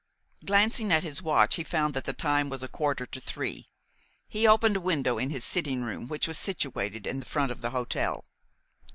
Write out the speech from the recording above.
Glancing at his watch, he found that the time was a quarter to three. He opened a window in his sitting room, which was situated in the front of the hotel.